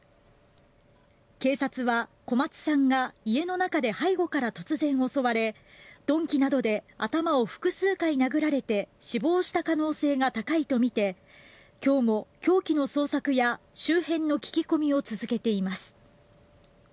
警察は、小松さんが家の中で背後から突然襲われ鈍器などで頭を複数回殴られて死亡した可能性が高いとみて今日も凶器の捜索や周辺の聞き込みを続けています。